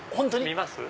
見ます？